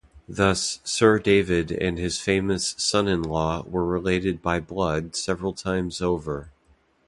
Thus, Sir David and his famous son-in-law were related by blood several times over.